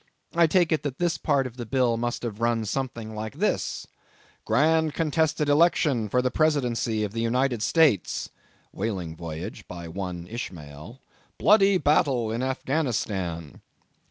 I take it that this part of the bill must have run something like this: "Grand Contested Election for the Presidency of the United States. "WHALING VOYAGE BY ONE ISHMAEL. "BLOODY BATTLE IN AFFGHANISTAN."